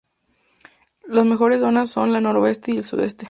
Las mejores zonas son la noroeste y sudoeste.